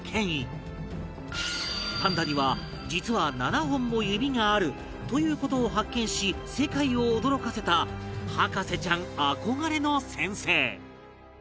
パンダには実は７本も指があるという事を発見し世界を驚かせた博士ちゃん憧れの先生